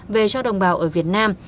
về cho đồng bào ở việt nam